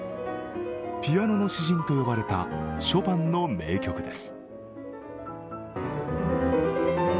ピアノ詩人と呼ばれたショパンの名曲です。